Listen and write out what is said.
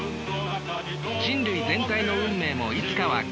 人類全体の運命もいつかは消える。